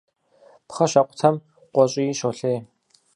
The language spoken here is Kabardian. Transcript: Пхъэ щакъутэм къуэщӀий щолъей.